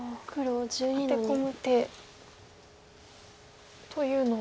アテ込む手というのは？